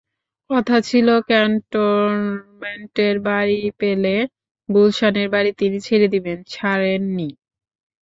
কথা ছিল ক্যান্টনমেন্টের বাড়ি পেলে গুলশানের বাড়ি তিনি ছেড়ে দেবেন, ছাড়েননি।